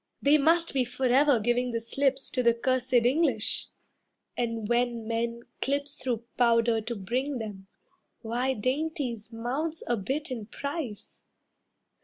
They must be forever giving the slips To the cursed English, and when men clips Through powder to bring them, why dainties mounts A bit in price.